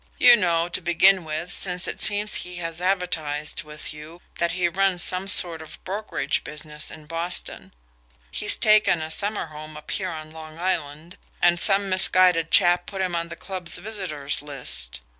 You know, to begin with, since it seems he has advertised with you, that he runs some sort of brokerage business in Boston. He's taken a summer home up here on Long Island, and some misguided chap put him on the club's visitor's list.